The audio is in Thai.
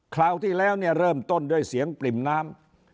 คราวที่แล้วเนี่ยเริ่มต้นด้วยเสียงปริ่มน้ำ